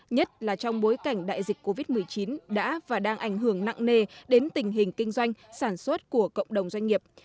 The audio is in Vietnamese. nhất là trong bối cảnh đại dịch covid một mươi chín đã và đang ảnh hưởng nặng nề đến tình hình kinh doanh sản xuất của cộng đồng doanh nghiệp